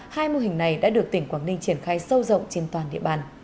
hai mô hình này đã được tỉnh quảng ninh triển khai sâu rộng trên toàn địa bàn